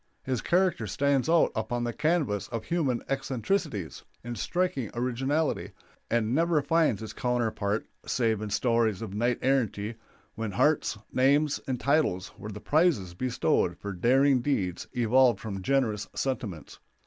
His character stands out upon the canvas of human eccentricities in striking originality, and never finds its counterpart save in stories of knight errantry, when hearts, names, and titles were the prizes bestowed for daring deeds evolved from generous sentiments.